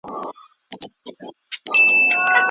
پر مزلونو د کرې ورځي پښېمان سو